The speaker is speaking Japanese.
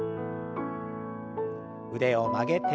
腕を曲げて。